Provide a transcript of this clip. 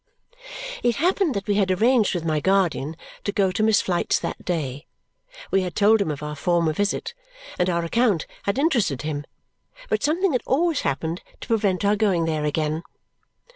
It happened that we had arranged with my guardian to go to Miss Flite's that day. We had told him of our former visit, and our account had interested him; but something had always happened to prevent our going there again.